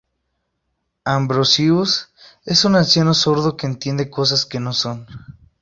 Ambrosius es un anciano sordo, que entiende cosas que no son.